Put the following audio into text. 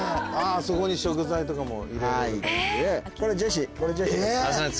あぁそこに食材とかも入れれる。